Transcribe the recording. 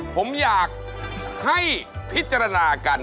ผมอยากให้พิจารณากัน